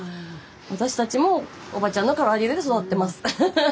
私たちもおばちゃんのから揚げで育ってます。